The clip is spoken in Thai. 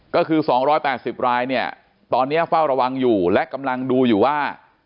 ก็คือ๒๘๐รายเนี่ยตอนนี้เฝ้าระวังอยู่และกำลังดูอยู่ว่า